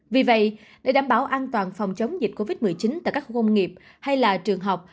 vì vậy để đảm bảo an toàn phòng chống dịch covid một mươi chín tại các gông nghiệp hay là trường học